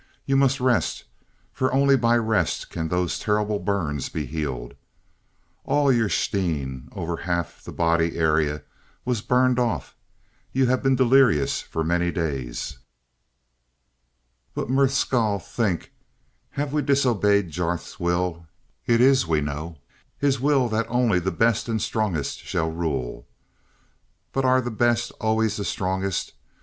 You must rest, for only by rest can those terrible burns be healed. All your stheen over half the body area was burned off. You have been delirious for many days." "But Merth Skahl, think have we disobeyed Jarth's will? It is, we know, his will that only the best and the strongest shall rule but are the best always the strongest?